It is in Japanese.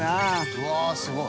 うわすごい。